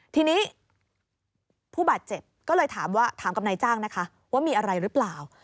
ทีนี้ผู้บาดเจ็บก็เลยถามกับนายจ้างนะคะว่ามีอะไรหรือเปล่า